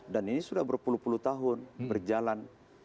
dan ini sudah berpuluh puluh tahun berjalan